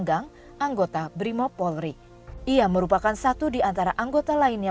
yang menjaga keamanan dan keamanan di indonesia